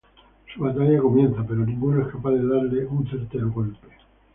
Su batalla comienza, pero ninguno es capaz de darle un certero golpe.